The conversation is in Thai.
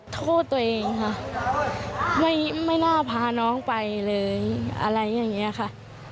โทษตัวเองค่ะไม่น่าพาน้องไปเลยอะไรอย่างนี้ค่ะ